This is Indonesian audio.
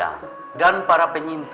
aku akan gunakan waktu ini